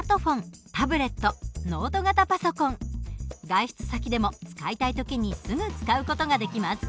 外出先でも使いたい時にすぐ使う事ができます。